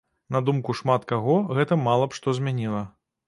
На думку шмат каго, гэта мала б што змяніла.